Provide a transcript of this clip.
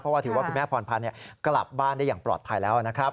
เพราะว่าถือว่าคุณแม่พรพันธ์กลับบ้านได้อย่างปลอดภัยแล้วนะครับ